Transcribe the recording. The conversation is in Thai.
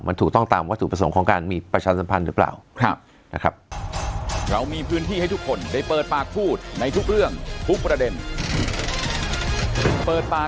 มันถูกต้องตามว่าถูกผสมของการมีประชาสัมพันธ์หรือเปล่า